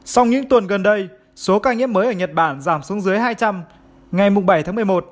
sau những tuần gần đây số ca nhiễm mới ở nhật bản giảm xuống dưới hai trăm linh ngày bảy tháng một mươi một